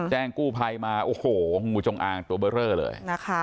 แจ้งกู้ภัยมาโอ้โหงูจงอางตัวเบอร์เรอเลยนะคะ